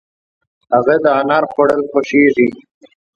د هغه د انار خوړل خوښيږي.